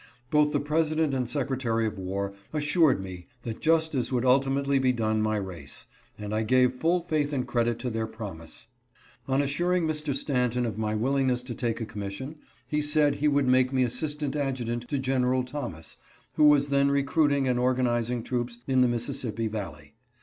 Both the President and Secretary of War assured me that justice would ultimately be done my race, and I gave full faith and credit to their promise. On assuring Mr. Stanton of my willingness to take a com mission, he said he would make me assistant adjutant to General Thomas, who was then recruiting and organizing troops in the Mississippi valley.